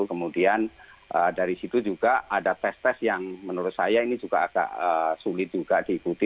kemudian dari situ juga ada tes tes yang menurut saya ini juga agak sulit juga diikuti